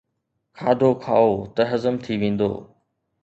کاڌو کائو ته هضم ٿي ويندو.